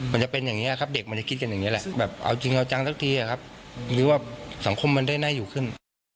มันจะเป็นอย่างนี้ครับเด็กมันจะคิดกันอย่างนี้แหละแบบเอาจริงเอาจังสักทีอะครับหรือว่าสังคมมันได้น่าอยู่ขึ้น